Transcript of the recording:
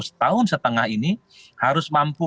setahun setengah ini harus mampu